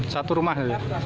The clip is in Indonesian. satu rumah saja